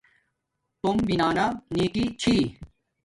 توم بنانا نیکی چھی